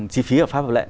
chi phí ở pháp và lệ